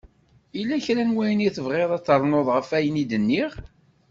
Yella kra n wayen i tebɣiḍ ad d-ternuḍ ɣef ayen i d-nniɣ?